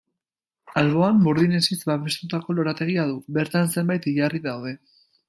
Alboan, burdin-hesiz babestutako lorategia du, bertan zenbait hilarri daude.